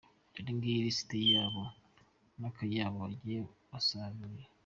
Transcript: Dore ngiyi lisiti yabo nakayabo bagiye basarura:.